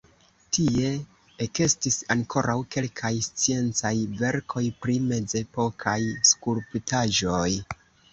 Tie ekestis ankoraŭ kelkaj sciencaj verkoj pri mezepokaj skulptaĵoj.